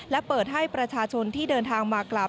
และเปิดให้ประชาชนที่เดินทางมากลับ